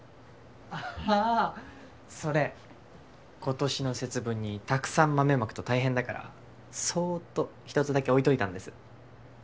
あそれ今年の節分にたくさん豆まくと大変だからそっと一つだけ置いといたんです。